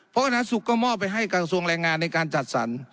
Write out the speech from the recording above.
เพราะฉะนั้นสุขก็มอบไปให้กระทรวงแรงงานในการจัดสรร